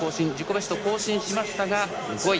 ベスト更新しましたが５位。